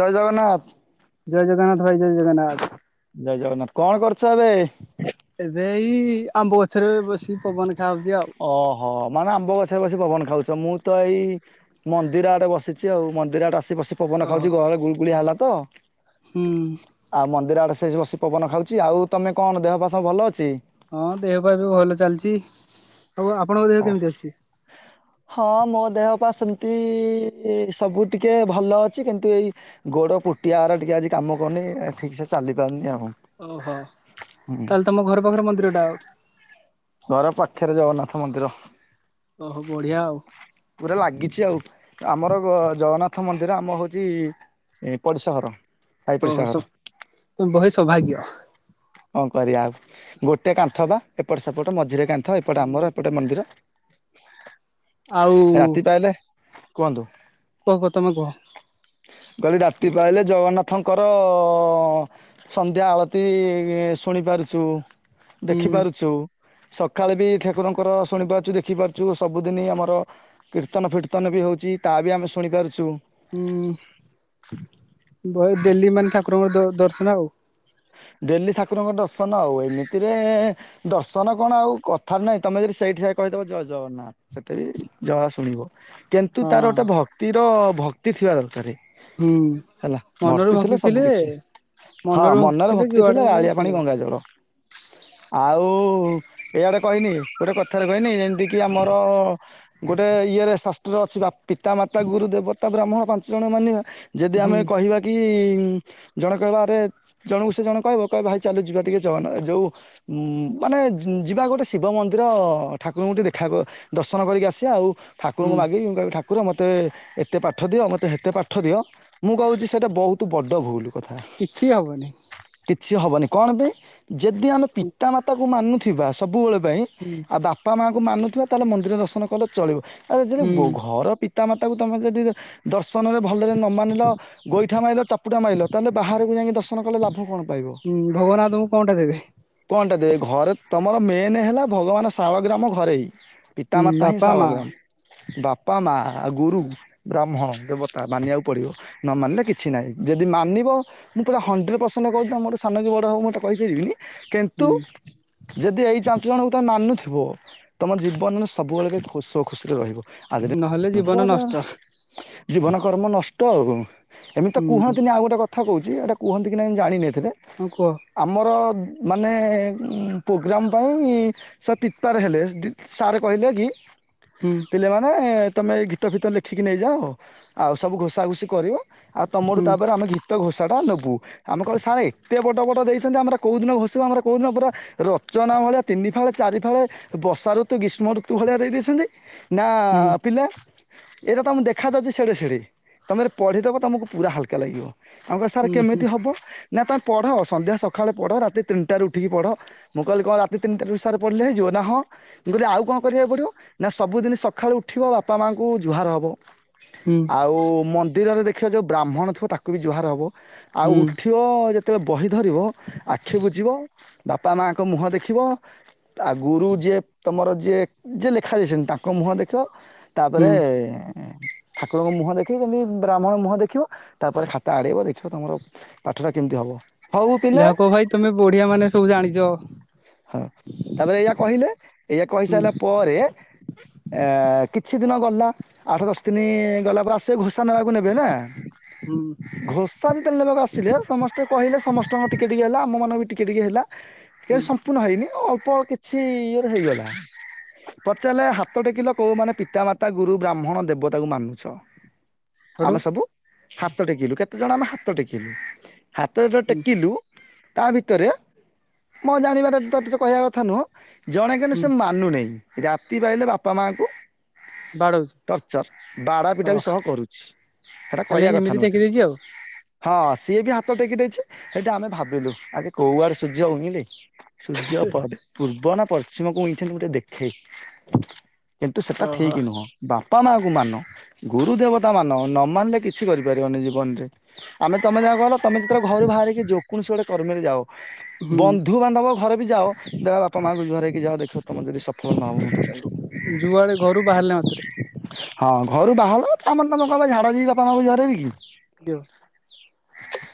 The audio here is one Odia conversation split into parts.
ଜୟ ଜଗନ୍ନାଥ। ଜୟ ଜଗନ୍ନାଥ ଭାଇ ଜୟ ଜଗନ୍ନାଥ। ଜୟ ଜଗନ୍ନାଥ କଣ କରୁଛ ଏବେ। ଏବେ ଏଇ ଆମ୍ବ ଗଛରେ ବସିିକି ପବନ ଖା ଓହୋ ମାନେ ଆମ୍ବ ଗଛରେ ବସି ପବନ ଖା ହଉଛ ମୁଁ ତ ଏଇ ମନ୍ଦିର ଆଡେ ବସିଛି ଆଉ ମନ୍ଦିର ଆଡେ ଆସି ପଶି ପବନ ଓହୋ ଖାଉଛି ଗହଳି ଗୁଳଗୁଳିଆ ହେଲା ତ ହୁଁ ଆଉ ମନ୍ଦିର ଆଡେ ସେ ବସି ପବନ ଖାଉଛି ଆଉ ତମେ କଣ ଦେହପା ସବୁ ଭଲ ଅଛି? ହଁ ଦେହ ପା ସବୁ ଭଲ ଚାଲିଛି। ଆଉ ଆପଣଙ୍କ ଦେହ ଓ କେମିତି ଅଛି? ହଁ ମୋ ଦେହ ପା ସେମିତି ଏ ସବୁ ଟିକେ ଭଲ ଅଛି କିନ୍ତୁ ଏଇ ଗୋଡ ପୁଟିଆରା ଟିକେ ଆଜି କାମ କରୁନି ଠିକ ସେ ଚା ଚାଲି ପାରୁନି ଆଉ। ଓହୋ ହୁଁ ତାହେଲେ ତମ ଘର ପାଖରେ ମନ୍ଦିର ଟା ଆ। ଘର ପାଖରେ ଜଗନ୍ନାଥ ମନ୍ଦିର। ଓହୋ ବଢିଆ ଆଉ ପୁରା ଲାଗିଛି ଆଉ। ଆମର ଅ ଜଗନ୍ନାଥ ମନ୍ଦିର ଆମ ହଉଛି ଇ ପଡ଼ିଶା ଘର। ସାଇ ଓହୋ ପଡିଶା ଘର ସ ବହେ ସୌଭାଗ୍ୟ। କଣ କରିବା ଆଉ ଗୋଟେ କାନ୍ଥ ବା ଏପଟେ ସେପଟ ମଝିରେ କାନ୍ଥ ଏପଟେ ଆମର ଏପଟେ ମନ୍ଦିର। ଆଉ ରାତି ପାଇଲେ କୁହନ୍ତୁ। କୁହ କ ତମେ କୁହ। କହିଲି ରାତି ପାଇଲେ ଜଗନ୍ନାଥଙ୍କର ସନ୍ଧ୍ୟା ଆଳତି ଶୁଣିପାରୁଛୁ। ହୁଁ। ଦେଖିପାରୁଛୁ। ସକାଳେ ବି ଠାକୁରଙ୍କର ଶୁଣି ପାରୁଛୁ ଦେଖି ପାରୁଛୁ ସବୁଦିନ ଆମର କୀର୍ତ୍ତନ ଫୀର୍ତ୍ତନ। ବି ହଉଛି ତାହା ବି ଆମେ ଶୁଣିପାରୁଛୁ। ହୁଁ ବ ଡେଲି ମାନେ ଠାକୁରଙ୍କର ଦ ଦର୍ଶନ ଆଉ। ଡେଲି ଠାକୁରଙ୍କ ଦର୍ଶନ ଆଉ ଏମିତିରେ ଦର୍ଶନ କଣ ଆଉ କଥା ନାହିଁ ତମେ ଯଦି ସେଇଠି କହିଦବ ଜୟ ଜଗନ୍ନାଥ। ସେଟେ ବି ଯାହା ଶୁଣିବ କିନ୍ତୁ ତାର ହଁ ଗୋଟେ ଭକ୍ତିର ଭକ୍ତି ଥିବା ଦରକାର। ହୁଁ। ହେଲା ମନରୁ ଭର୍ତ୍ତି ଭକ୍ତି ଥିଲେ ସବୁ କିଛି, ହଁ ମନରୁ ମନରେ ଭ ଭକ୍ତି ଯୁଆଡେ ଥିଲେ ଗଲେ ଅଳିିଆ ପାଣି ଚଳିବ ଗଙ୍ଗାଜଳ। ଆଉ-ଉ-ଉ ଏଇଆଡେ କହିନି ଗୋଟେ କଥାରେ କହିନି ଯେମ୍ ଯେମିତି କିି ଆମର ଗୋଟେ ଇଏରେ ଶାସ୍ତ୍ର ଅଛି ବା ପିତା ମାତା ଗୁରୁ ଦେବତା ବ୍ରାହ୍ମଣ। ପାଞ୍ଚ ଜଣ ମାନିବା ଯଦି ହୁଁ ଆମେ କହିବା କିଇ-ଇ-ଇ ଜଣ କହ ଆରେ ଜଣକୁ ସେ ଜଣ କହିବ କହିବ ଭାଇ ଚାଲିଲୁ ଯିବା ଟିକେ ଜଗନ୍ନା ଯୋଉ-ଉ-ଉ ମାନେ ଯିବା ଗୋଟେ ଶିବ ମନ୍ଦିରଅ-ଅ-ଅ-ଅ ଠା ଠାକୁରଙ୍କୁ ଟିକେ ଦେଖା କ ଦର୍ଶନ କରିକି ଆସିବା ଆଉ। ହୁଁ ଠାକୁରଙ୍କୁ ମାଗିକି ମୁଁ କହିବି ଠାକୁର ମୋତେ ଏତେ ପାଠ ଦିଅ ମୋତେ ହେତେ ପାଠ ଦିଅ। ମୁଁ କହୁଛି ସେଟା ବହୁତ ବଡ ଭୁଲ୍। କିଛି ହବନି। କିଛି ହବନି କଣ ପାଇଁ ଯଦି ଆମେ ପିତା ମାତାଙ୍କୁ ମାନୁଥିବା ସବୁବେଳେ ପାଇଁ ହୁଁ ଆଉ ବାପା ମାଙ୍କୁ ମାନୁଥିବା ତାହେଲେ ମନ୍ଦିର ଦର୍ଶନ କଲେ ଚଳିବ ଆଉ ଯଦି ହୁଁ ଘର ପିତାମାତାକୁ ତମେ ଯଦି ଦର୍ଶ୍ ଦର୍ଶନରେ ଭଲରେ ନ ମାନିଲ ଗୋଇଠା ମାଇଲ ଚାପୁଡା ମାଇଲ ତାହେଲେ ବାହାରକୁ ଯାଇକି ଦର୍ଶନ କଲେ ଲାଭ କଣ। ପାଇବ ହୁଁ ଭଗବାନ ଆଉ ତମକୁ କଣଟା ଦେବେ। କଣଟା ଘରେ ତମର ମେନ୍ ହେଲା ଭଗବାନ ଶାଳଗ୍ରାମ ଘରେ ଇ ହୁଁ ପିତାମାତା ହିଁ ବାପା ମା ଶାଳଗ୍ରାମ ବାପା ମାଆ ଆଉ ଗୁରୁ ବ୍ରାହ୍ମଣ ଦେବତା ମାନିବାକୁ ପଡ଼ିବ ନ ମାନିଲେ କିଛି ନାହିଁ ଯଦି ମାନିବ ମୁଁ ପରା ହଣ୍ଡ୍ରେଡ଼୍ ପରସେଣ୍ଟ୍ କହୁଛି ତମେ ମୋଠୁ ସାନ କି ବଡ ହଉ ମୁଁ ତ କହିପାରିବିନି କିନ୍ତୁ ହୁଁ ଯଦି ଏଇ ଚାଞ୍ଚ ଜଣଙ୍କୁ ତମେ ମାନୁଥି ବ ତମର ଜୀବନରେ ସ ସବୁବେଳେ ପାଇଁ ଖୋସ ଖୁସିରେ ରହିବ ଆଉ ଯଦି ନହେଲେ ଜୀବନ ନଷ୍ଟ ହୁଁ [inaudible] ଜୀବନ କର୍ମ ନଷ୍ଟ ଆଉ କଣ ଏମିତି ତ କୁହନ୍ତିନି ଆଉ ଗୋଟେ କଥା କହୁଛି ଏଇଟା କୁହନ୍ତି କି ନାଇଁ ମୁଁ ଜାଣିନି ଏ ଏଥିରେ ହଁ କୁହ ଆମର ମାନେ ପ୍ରୋଗ୍ରାମ୍ ପାଇଁ ସେ ପିତାର୍ ହେଲେ, ସାର୍ କହିଲେ କି ହୁଁ ପିଲାମାନେ ତମେ ଗୀତଫିତ ଲେଖିକି ନେଇଯାଅ ଆଉ ସବୁ ଘୋଷାଘୋଷି କରିବ ଆଉ ତମଠୁ ହୁଁ ତାପରେ ଆମେ ଗୀତ ଘୋଷାଟା ନେବୁ ଆମେ କହିବୁ ସାରେ ଏତେ ବଡ ବଡ ଦେଇଛନ୍ତି ଆମର କୋଉ ଦିନ ଘୋଷିବୁ ଆମର କୋଉଦିନ ପୁରା ରଚନା ଭଳିଆ ତିନି ଫାଳେ ଚାରି ଫାଳେ ବର୍ଷା ଋତୁ ଗ୍ରୀଷ୍ମ ଋତୁ ଭଳିଆ ଦେଇ ଦେଇଛନ୍ତି ହୁଁ ନା-ଆ-ଆ ପିଲା ଏଇଟା ତମକୁ ଦେଖା ଦଉଛି ସେଡେ ସେଡେ ତମେ [inaudible] ପଢିଦବ ତମକୁ ପୁରା ହାଲକା ଲାଗିବ। ଆମେ କହି [inaudible] ସାର୍ ହୁଁ ହୁଁ କେମିତି ହବ ନା ତମେ ପଢ ସନ୍ଧ୍ୟା ସଖାଳେ ରାତି ତିନଟାରୁ ଉଠିକି ପଢ, ମୁଁ କହିଲି କଣ ରାତି ତିନଟାରୁ ସାର ପଢିଲେ ହେଇଯିବ? ନା ହଁ, ମୁଁ କହିଲି ଆଉ କଣ କରିବାକୁ ପଡିବ, ନା ସବୁଦିନି ସକାଳୁ ଉଠିବ ବାପାମାଆଙ୍କୁ ଜୁହାର ହବ। ହୁଁ ଆଉ ମନ୍ଦିରରେ ଦେଖିବ ଯୋଉ ବ୍ରାହ୍ମଣ ଥିବ ତାକୁ ବି ଜୁହାର ହବ ଆଉ ହୁଁ ଉଠି [inaudible] ଯେତେବେଳେ ବହି ଧରିବ ଆଖି ବୁଜିବ ବାପାମାଙ୍କ ମୁହଁ ଦେଖିବ ତା ଗୁରୁ ଯିଏ ତମର ଯିଏ, ଯିଏ ଲେଖାଦେଇଛନ୍ତି ତାଙ୍କ ମୁହଁ ଦେଖିବ ହୁଁ ତାପରେଏ-ଏ-ଏ-ଏ ଠାକୁରଙ୍କ ମୁହଁ ଦେଖ୍ [inaudible] ବ୍ରାହ୍ମଣ ମୁହଁ ଦେଖିବ ତାପରେ ଖାତା ଆଡେଇବ ଦେଖିବ ତମର ପାଠଟା କେମିତି ହବ। ହଉ ପିଲେ ଯାହା କୁହ ଭାଇ ତମେ ବଢିଆ ମାନେ ସବୁ ଜାଣିଛ। ହଁ ତାପରେ ଏଇଆ କହିଲେ ଏଇଆ ହୁଁ କହିସାରିଲା ପରେ, ଆ କିଛି ଦିନ ଗଲା ଆଠ ଦଶ ଦିନ ଗଲା ପରେ ଆସେ ଘୋଷା ନେବାକୁ ନେବେ ନା ହୁଁ ଘୋଷା ଯେତେବେଳେ ନେବାକୁ ଆସିଲେ ସମସ୍ତେ କହିଲେ ସମସ୍ତଙ୍କର ଟିକେ ଟିକେ ହେଲା ଆମ ମାନଙ୍କର ବି ଟିକେ ଟିକେ ହେଲା। ହୁଁ। ଇଏ ଅଳ୍ପ କିଛି ଇଏରେ ହେଇଗଲା ପଚାରିଲେ ହା ହାତ ଟେକିଲ କୋଉ ମାନେ ପିତାମାତା ଗୁରୁ ବ୍ରାହ୍ମଣ ଦେବତାକୁ ମାନୁଛ? ହେଠୁ ଆମେ ସବୁ ହାତ ଟେକିଲୁ, କେତେ ଜଣ ଆମେ ହାତ ଟେକିଲୁ। ହାତ ଯୋଉ ହୁଁ ଟେକିଲୁ ତା ଭିତରେ ମୋ ଜାଣିବାରେ [inaudible] କହିବା କଥା ନୁହଁ ଜଣେ କିନ୍ତୁ ହୁଁ ସେ ମାନୁନେଇ ରାତି ପାହିଲେ ବାପା ମାଙ୍କୁ ବାଡ଼ଉ ଟର୍ଚର ବାଡ଼ାପିଟା ବି ସହ କରୁଛି। ସେଟା ଖାଲି କହିବା କଥା ଏମିତି ନୁହଁ ଟେକି ଏଥି ଦେଇଛି ଆଉ ହଁ ସିଏ ବି ହାତ ଟେକି ଦେଇଛି ସେଇଠୁ ଆମେ ଭାବିଲୁ ଆଜି କୋଉଆଡେ ସୂର୍ଯ୍ୟ ଉଇଲେ। ସୂର୍ଯ୍ୟ ପ ପୂର୍ବ ନା ପଶ୍ଚିମକୁ ଉଇଥିଲେ ମୁଁ ଟିକେ ଦେଖେ। କିନ୍ତୁ ସେଟା ଓହୋ ଠିକ ନୁହଁ ବାପା ମାଆଙ୍କୁ ମାନ ଗୁରୁ ଦେବତା ମାନ ନ ମାନିଲେ କିଛି କରିପାରିବନି ଜୀବନରେ। ଆମେ ତମେ ଯାହା ଗଲ ତମେ ଯେତେବେଳେ ଘରୁ ବାହାରିକି ଯୋ କୌଣସି ଗୋଟେ କର୍ମେରେ ଯାଅ ହୁଁ ବନ୍ଧୁ ବାନ୍ଧବ ଘରେ ବି ଯାଅ ଦେଖିବ ବାପା ମାଆଙ୍କୁଜୁହାର ହେଇକି ଯାଅ ଦେଖିବ ତମେ ଯଦି ସଫଳ ନ ହବ ମତେକହିବ। ଯୁଆଡେ ଘରୁ ବାହାରିଲେ ମା ହଁ ଘରୁ ବାହାରଲ ତା ମାନେ ତମ କ ବା ଝାଡା ଯିବି ବାପା ମାକୁ ଜୁହାର ହେବି କି।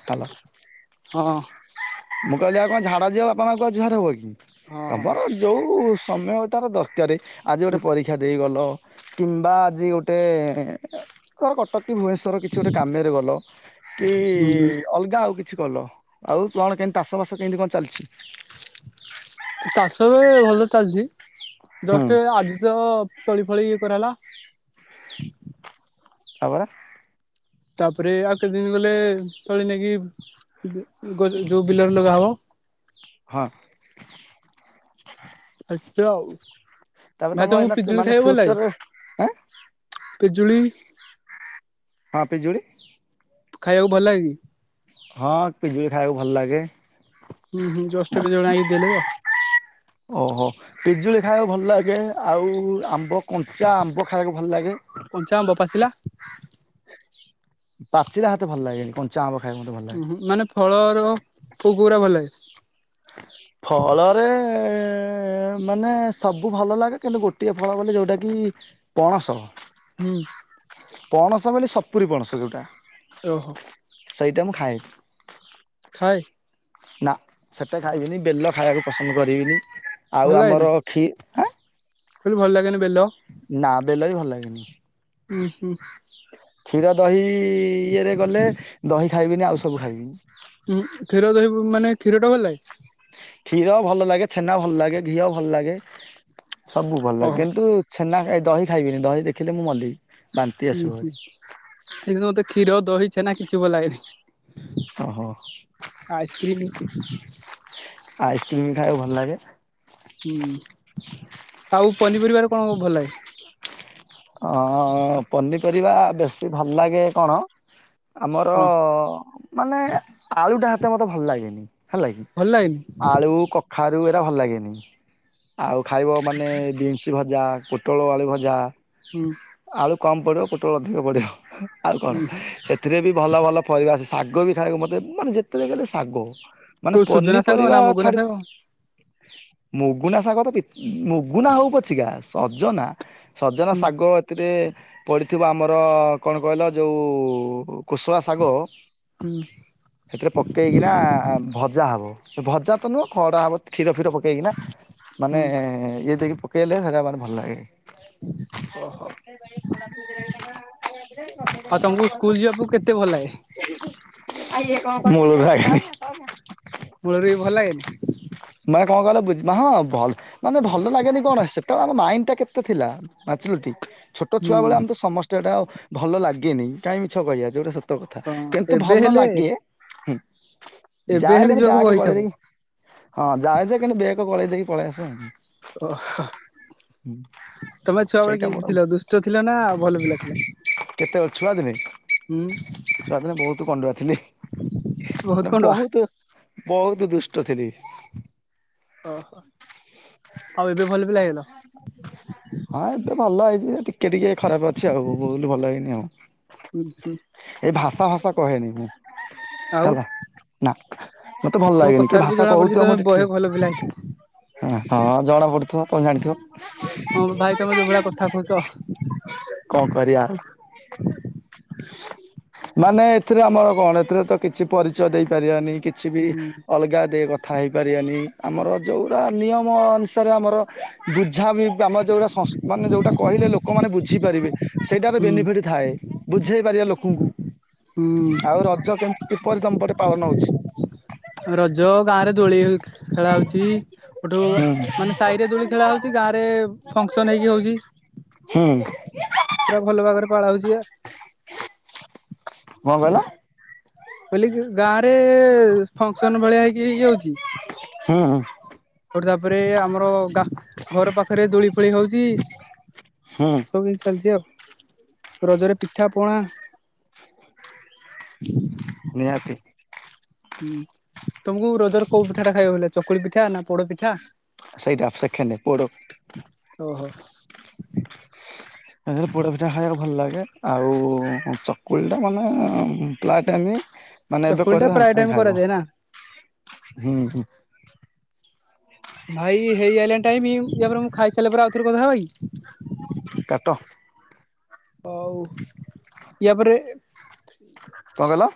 ହାଲୋ। ହଁ। କହିଲା କଣ ଝାଡ଼ା ଯିବ ବାପ ମା ଙ୍କୁ ଆଉ ଝୁଆର ହେବ କି ହଁ ତମର ଯେଉଁ-ଉ-ଉ ସମୟଟାର ଦରକାରରେ ଆଜି ଗୋଟେ ପରୀକ୍ଷା ଦେଇ ଗଲ କିମ୍ବା ଆଜି ଗୋଟେ-ଏ-ଏ-ଏ ତର କଟକ କି ଭୁବନେଶ୍ୱର କିଛି ଗୋଟେ କାମରେ ଗଲ କି ହୁଁ ଅଲଗା ଆଉ କିଛି କଲ, ଆଉ କଣ କେମତି ଚାଷ ବାସ କେମତି କଣ ଚାଲିଛି? ଚାଷ ବି-ଇ-ଇ ଭଲ ଚାଲିଛି, ହୁଁ ଜଷ୍ଟ ଏ ଆଜି ତ-ଅ-ଅ ତଳି ଫଳି ଇ କରାଲା। [unintelligible] ତାପରେ ଆ କିଛି ଦିନ ଗଲେ-ଏ-ଏ-ଏ ଚଳେ ନେଇକି [unintelligible] ଯୋଉ ବିଲରେ ଲଗା ହବ। ହଁ। ହେଇଚି ଆଉ। ତାପରେ ଭାଇ ତମ ତମକୁ ଏଇ ନାଚ୍ ପିଜୁଳି ମାନେ ଖାଇବାକୁ ଭଲ ଲାଗେ ଫ୍ୟୁଚରରେ ଏ ପିଜୁଳି ହଁ ପିଜୁଳି ଖାଇବାକୁ ଭଲ ଲାଗେ କି? ହଁ ପିଜୁଳି ଖାଇବାକୁ ଭଲ ଲାଗେ। ହୁଁ ହୁଁ ଜଷ୍ଟ ଏବେ ଜଣେ ଆଣିକି ଦେଲେ ତ ଓହୋ ପଜୁଳି ଖାଇବାକୁ ଭଲ ଲାଗେ ଆଉ-ଉ-ଉ-ଉ ଆମ୍ବ କଞ୍ଚା ଆମ୍ବ ଖାଇବାକୁ ଭଲ ଲାଗେ। କଞ୍ଚା ଆମ୍ବ ପାଚିଲା ପାଚିଲା ହାତେ ଭଲ ଲାଗେନି କଞ୍ଚା ଆମ୍ବ ଖାଇବାକୁ ମତେ ଭଲ ଲାଗେ। ଉ ହୁଁ ମାନେ ଫଳର କଉ କୁରା ଭଲ ଲାଗେ? ଫଳରେ-ଏ-ଏ-ଏ ମାନେ ସବୁ ଭଲ ଲାଗେ କିନ୍ତୁ ଗୋଟିଏ ଫଳ ବୋଲି ଯୋଉଟା କି ପଣସ। ହୁଁ। ପଣସ ବୋଲି ସପୁରି ପଣସ ଯେଉଁଟା ଓହୋ। ସେଇଟା ମୁଁ ଖାଏ। ଖାଏ। ନା ସେଟା ଖାଇବିନି ବେଲ ଖାଇବାକୁ ପସନ୍ଦ କରିବିନି। ଆଉ ଆମର କ୍ଷୀ କହିଲେ ଭଲ ଲାଗେନି ବେଲ? ନା ବେଲ ବି ଭଲ ଲାଗେନି। ହୁଁ ହୁଁ। କ୍ଷୀର ଦହି-ଇ-ଇ-ଇ ଇଏରେ ଗଲେ ଦହି ଖାଇବିନି ଆଉ ସବୁ ଖାଇବି। ଉଁ କ୍ଷୀର ଦହି ମାନେ କ୍ଷୀର ଟା ଭଲ ଲାଗେ? କ୍ଷୀର ଭଲ ଲାଗେ, ଛେନା ଭଲ ଲାଗେ, ଘିଅ ଭଲ ଲାଗେ ସବୁ ଭଲ ଲାଗେ ଓହୋ କିନ୍ତୁ ଛେନା ଖା ଦହି ଖାଇବିନି ଦହି ଦେଖିଲେ ମୁଁ ମଲି। ବାନ୍ତି ହୁଁ ଆସିବ ହୁଁ ଭାରି କିନ୍ତୁ ମତେ କ୍ଷୀର, ଦହି, ଛେନା କିଛି ଭଲ ଲାଗେନି। ଓ ହୋ। ଆଇସ୍କ୍ରିମ ଆଇସ୍କ୍ରିମ ଖାଇବାକୁ ଭଲ ଲାଗେ? ହୁଁ, ଆଉ ପନିପରିବାର କଣ-ଅ-ଅ ଭଲ ଲାଗେ? ଅ ପନିପରିବା ବେଶୀ ଭଲ ଲାଗେ କଣ ଆମର ହଁ ମାନେ ଆଳୁଟା ହତେ ମୋତେ ଭଲ ଲାଗେନି। ହେଲା କିି ଭଲ ଲାଗେନି ଆଳୁ କଖାରୁ ଏଇଟା ଭଲ ଲାଗେନି। ଆଉ ଖାଇବ ମାନେ ବିନ୍ସ ଭଜା ପୋଟଳ ଆଳୁ ଭଜା ହୁଁ। କମ୍ ପଡ଼ିବ ପୋଟଳ ଅଧିକ ପଡ଼ିବ ଆଉ କଣ ଏଥିରେ ବି ଭଲ ଭଲ ପରିବା ଶାଗ ଗୋବି ଖାଇବାକୁ ମତେ ମାନେ ଯେତେବେ ଗଲେ ଶାଗ ମାନେ କୋଉ ସୁଜନା ଶାଗ ପନିପରିବା ନା ମୁଗୁନା ଛାଡି ଶାଗ? ମୁଗୁନା ଶାଗ ତ ମୁଗୁନା ହଉ ପଛିିକା ସଜନା ଜ ହୁଁ ଶାଗ ଏଥିରେ ପ ଥଥିବା ଆମର କଣ କହିଲ ଯୋଉ କୁଶଳା ଶାଗ ହୁଁ ସେଥିରେ ପକେଇକିନା ଭଜା ହବ। ଭଜା ତ ନୁହଁ ଖରଡ଼ା ହବ କ୍ଷୀର ଫୀର ପକେଇକିନା ମାନେ ହୁଁ ଇଏ ଦେଇକି ପକେଇଲେ ସେଇଟା ଭାରି ଭଲ ଲାଗେ। ଆ ଖ ଓହୋ। ଖ [inaudible] ଆଉ ତମକୁ ସ୍କୁଲ ଯିବାକୁ କେତେ ଭଲ ଲାଗେ ଆଜ୍ଞା କଣ କରୁଥିଲ? ମୂଳରୁ ଲାଗିନି ମୂଳରୁ ବି ଭଲ ହେଇନି। ମାନେ କଣ କହିଲେ ବୁଝିବା ହଁ ଭଲ ମାନେ ଭଲ ଲାଗେନି କଣ ସେତେବେଳେ ଆମ ମାଇଣ୍ଡ ଟା କେତେ ଥିଲା। ମାଚୁରିଟି। ଛୋଟ ହୁଁ ଛୁଆବେଳେ ଆମେ ତ ସମସ୍ତେ ଏଟା ଆଉ ଭଲ ଲାଗେନି କାହିଁ ମିଛ କହିବା। ଯୋଉଟା ସତ କଥା ହଁ କିନ୍ତୁ ଏବେ ଭଲ ହେଲେ ଲାଗେ, ହୁଁ। ଏବେ ଯାଏ ହେଲେ ଖାଲି ଯିବାକୁ ବ୍ୟାଗ୍ ବହେ ଇଚ୍ଛା ଗଳେଇ ହୁଏ। ଦେଇକି ହଁ ଯାଏ ଯେ କିନ୍ତୁ ବ୍ୟାଗ୍ ଗଳେଇ ଦେଇକି ପଳେଇ ଆସେ। ଓ ତମେ ଛୋଟବେଳେ ସେଇଟା କେମିତି ମୋର ଥିଲ ଦୁଷ୍ଟ ଥିଲା ନା ଭଲ ପିଲା ଥିଲ? ଛୁଆ ଦିନେ ହୁଁ ଛୁଆ ଦିନେ ବହୁତ କଣ୍ଡୁଆ ଥିଲି। ମାନେ ବହୁତ ବହୁତ ଦୁଷ୍ଟ ଥିଲି। ଓହୋ ଆଉ ଏବେ ଭଲ। ପିଲା ହେଇଗଲ? ହଁ ଏବେ ଭଲ ହେଇ ଏ ଟିକେ ଟିକେ ଖରାପ ଅଛି ଆଉ ଫୁଲ୍ ଭଲ ହେଇନି ଆଉ। ହୁଁ ହୁଁ ଏ ଭାଷା ଭାଷା କହେନି ମୁଁ। ଆଉ ହେଲା। ନା। ମତେ ଭଲ ତମ ଲାଗେନି କିଏ କଥାରୁ ବି ଭାଷା ଜଣା ପଡୁଛି କହୁଥିବ ତମେ ମୋର ଏଠି। ବହେ ଭଲ ପିଲା ହେଇଥିବ। ହଁ ଜଣା ପଡୁଥିବ। କଣ ଜାଣିଥିବ। [inaudible] ହଁ ଭାଇ ତମେ ଯୋଉ ଭଳିଆ କଥା କହୁଛ କଣ କରିବା ଆଉ। ମାନେ ଏଥିରେ ଆମର କଣ ଏଥିରେ ତ କିଛି ପରିଚୟ ଦେଇପାରିବାନି। କିଛି ବି ହୁଁ ଅଲଗା ଦେଇ କଥା ହେଇପାରିବାନି ଆମର ଯୋଉଟା ନିୟମ ଅନୁସାରେ ଆମର ବୁଝା ବି ଆମର ଯୋଉଟା ମାନେ ଯୋଉଟା କହିଲେ ଲୋକମାନେ ବୁଝିପାରିବେ। ସେଇଟାର ହୁଁ ବେନିଫିଟ ଥାଏ। ବୁଝେଇ ପାରିବା ଲୋକଙ୍କୁ। ହୁଁ। ଆଉ ରଜ କେମିତି କିପରି ତମ ପଟେ ପାଳନ ହଉଛି? ରଜ ଗାଁ ରେ ଦୋଳି ଖେଳା ହଉଛି। ସେଠୁ ହୁଁ ମାନେ ସାହିରେ ଦୋଳି ଖେଳା ହଉଛି। ଗାଁ ରେ ଫଂକ୍ସନ୍ ହେଇକି ହଉଛି। ହୁଁ ୱାହ୍। ଭଲ ଭାବରେ ପାଳନ ହଉଛି ଆଉ। କଣ କହିଲ? କହିଲି କି ଗାଁ ରେ ଫଂକ୍ସନ ଭଳିଆ ହେଇକି ହେଇ ଯାଉଛି। ହୁଁ ହୁଁ। ସେଠୁ ତାପରେ ଆମର ଘର ପାଖରେ ଦୋଳି ଫୋଳି ହଉଛି। ହୁଁ ସବୁ ସେମିତି ଚାଲିଛି ଆଉ। ରଜରେ ପିଠା ପଣା ନିହାତି। ହୁଁ ତମକୁ ରଜରେ କୋଉ ପିଠା ଟା ଖାଇବାକୁ ଭଲଲାଗେ। ଚକୁଳି ପିଠା ନା ପୋଡ ପିଠା ସେଇଟା ସେକେଣ୍ଡ। ପୋଡ଼ ଓହୋ [inaudible] ଏ ହେ ପୋଡ଼ପିଠା ଖାଇଆକୁ ଭଲ ଲାଗେ ଆଉ ଉଁ ଚକୁଳିଟା ଭଲ ନାଗେ ଅ ଉଁ ପ୍ରାଏ ଟାଇମ୍ ମାନେ ଏବେ ଚକୁଳି ଟା କରିବ ପ୍ରାୟ ସାଙ୍ଗେ ଟାଇମ ସାଙ୍ଗେ କରାଯାଏ ନା ଖାଇବ। ହୁଁ ହୁଁ। ଭାଇ ହେଇ ଆଇଲାଣି ଟାଇମ ୟାପରେ ମୁଁ ଖାଇ ସାଇଲା ପରେ ଆଉ ଥରେ କଥା ହବା କି? କାଟ। ହଉ ୟା ପରେ ଏ କଣ କହିଲ?